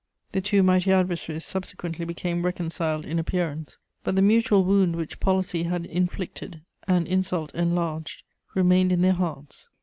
_" The two mighty adversaries subsequently became reconciled in appearance; but the mutual wound which policy had inflicted and insult enlarged remained in their hearts.